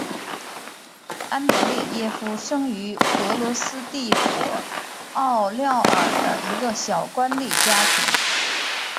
安德列耶夫生于俄罗斯帝国奥廖尔的一个小官吏家庭。